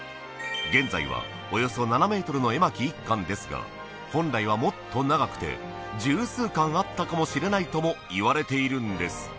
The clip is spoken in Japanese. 現在はおよそ７ｍの絵巻１巻ですが本来はもっと長くて十数巻あったかもしれないともいわれているんです